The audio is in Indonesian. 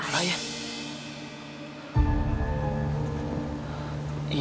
kayaknya ada yang lain